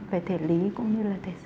về thể lý cũng như là